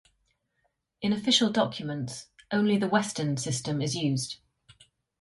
In official documents, only the Western system is used.